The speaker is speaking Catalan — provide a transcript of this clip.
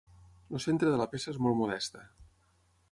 El centre de la peça és molt modesta.